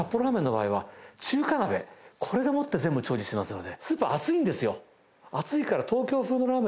これでもって全部調理してますので。